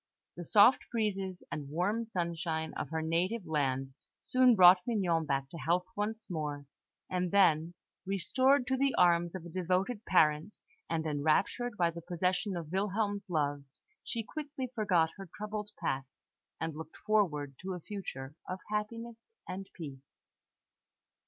The soft breezes and warm sunshine of her native land soon brought Mignon back to health once more; and then, restored to the arms of a devoted parent, and enraptured by the possession of Wilhelm's love, she quickly forgot her troubled past, and looked forward to a future of happiness and peace.